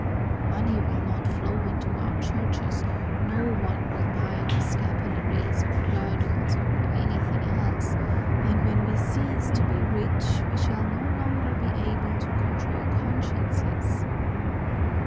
Money will not flow into our churches, no one will buy our scapularies or girdles or anything else, and when we cease to be rich we shall no longer be able to control consciences."